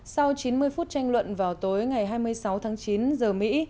sau chín mươi phút tranh luận vào tối ngày hai mươi sáu tháng chín giờ mỹ